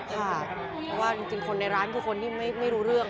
ค่ะเพราะว่าจริงคนในร้านคือคนที่ไม่รู้เรื่อง